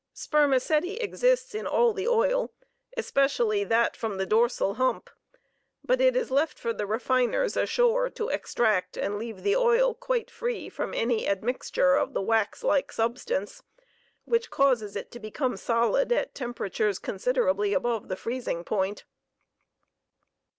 Spermaceti exists in all the oil, especially that from the dorsal hump; but it is left for the refiners ashore to extract and leave the oil quite free from any admixture of the wax like substance, which causes it to become solid at temperatures considerably above the freezing point.